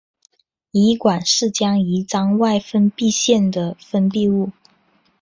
胰管是将胰脏外分泌腺的分泌物。